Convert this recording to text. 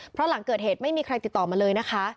เพราะหลังเกิดเหตุไม่มีใครติดต่อมาเลยนะคะ